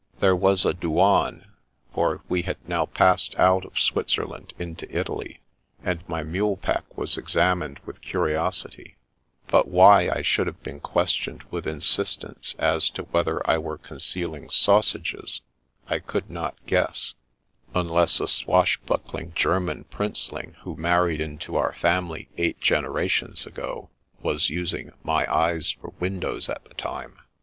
There was a dotiane, for we had now passed out of Switzerland into Italy, and my mule pack was examined with curiosity; but why I should have been questioned with insistence as to whether I were concealing sausages, I could not guess, unless a 130 The Princess Passes • swashbuckling German princeling who married into our family eight generations ago, was using my eyes for windows at the time.